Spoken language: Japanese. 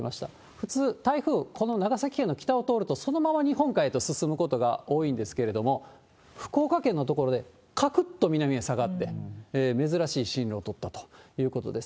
普通、台風、この長崎県の北を通ると、そのまま日本海へと進むことが多いんですけれども、福岡県の所で、かくっと南へ下がって、珍しい進路を取ったということです。